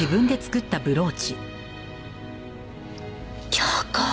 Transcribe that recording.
京子